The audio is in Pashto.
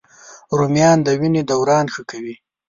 رومیان د وینې دوران ښه کوي